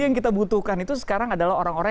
yang kita butuhkan itu sekarang adalah orang orang